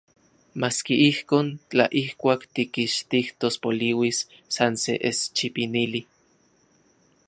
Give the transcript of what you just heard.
Maski ijkon, tla ijkuak tikixtijtos poliuis san se eschipinili...